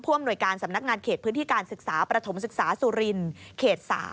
อำนวยการสำนักงานเขตพื้นที่การศึกษาประถมศึกษาสุรินเขต๓